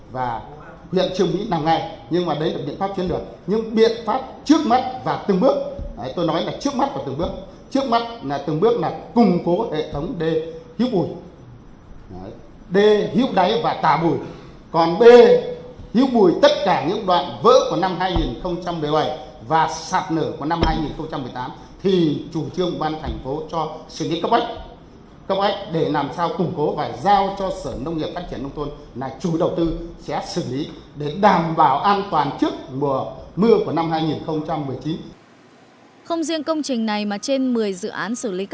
và đặc biệt thì có một số đội hình mới của năm nay